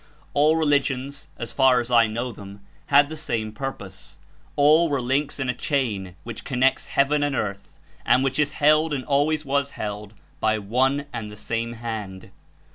All religions, as far as I know them, had the same purpose; all were links In a chain which connects heaven and earth, and which Is held and always was held by One and the Same Hand.